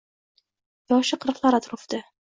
Yoshi qirqlar atrofida